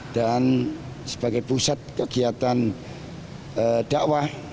dan sebagai pusat kegiatan dakwah